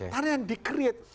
tanah yang di create